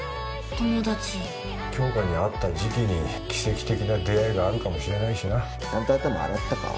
友達杏花に合った時期に奇跡的な出会いがあるかもしれないしなちゃんと頭洗ったか？